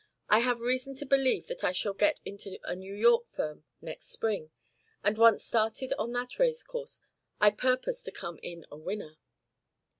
I have reason to believe that I shall get into a New York firm next spring; and once started on that race course I purpose to come in a winner."